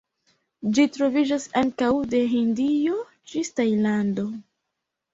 Ĝi troviĝas ankaŭ de Hindio ĝis Tajlando.